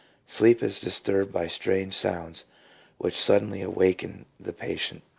Sleep is disturbed by strange sounds which suddenly awaken the patient.